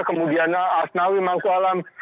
kemudian asnawi mangkualam